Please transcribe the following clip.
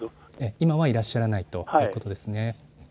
今はいらっしゃらないということですね。